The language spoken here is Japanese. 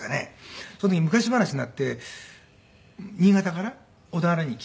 その時昔話になって新潟から小田原に来て。